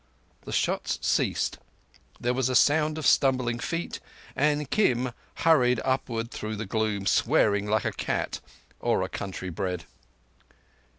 The shots ceased. There was a sound of stumbling feet, and Kim hurried upward through the gloom, swearing like a cat—or a country bred.